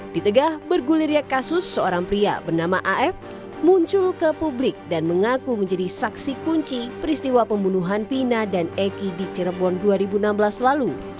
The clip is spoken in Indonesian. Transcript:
di tengah bergulirnya kasus seorang pria bernama af muncul ke publik dan mengaku menjadi saksi kunci peristiwa pembunuhan pina dan eki di cirebon dua ribu enam belas lalu